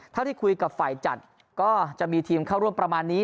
เท่าที่คุยกับฝ่ายจัดก็จะมีทีมเข้าร่วมประมาณนี้